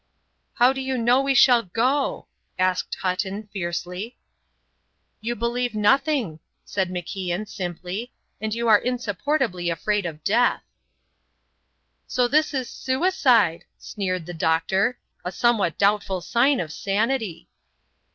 "How do you know we shall go?" asked Hutton, fiercely. "You believe nothing," said MacIan, simply, "and you are insupportably afraid of death." "So this is suicide," sneered the doctor; "a somewhat doubtful sign of sanity."